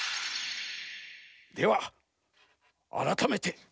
ではあらためて。